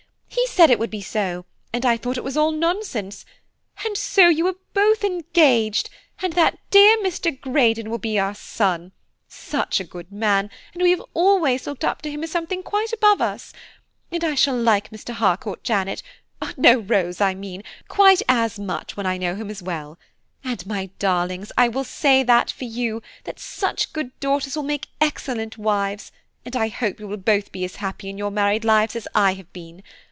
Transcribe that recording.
He said it would be so, and I thought it was all nonsense; and so you are both engaged, and that dear Mr. Greydon will be our son; such a good man, and we have always looked up to him as something quite above us. And I shall like Mr. Harcourt, Janet–no, Rose, I mean–quite as much when I know him as well. And, my darlings, I will say that for you, that such good daughters will make excellent wives, and I hope you will both be as happy in your married lives as I have been.